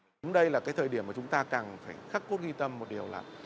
chúng đây là cái thời điểm mà chúng ta cần phải khắc cốt ghi tâm một điều là